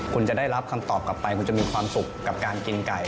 คุณจะได้รับคำตอบกลับไปคุณจะมีความสุขกับการกินไก่